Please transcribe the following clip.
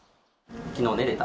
きのう寝れた？